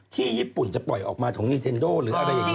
ที่ญี่ปุ่นจะปล่อยออกมาของนีเทนโดหรืออะไรอย่างนี้